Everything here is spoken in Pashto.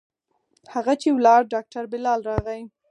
هغه چې ولاړ ډاکتر بلال راغى.